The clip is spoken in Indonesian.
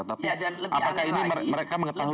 tapi apakah ini mereka mengetahui